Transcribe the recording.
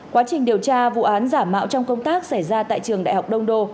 quá trình điều tra vụ án giả mạo trong công tác xảy ra tại trường đại học đông đô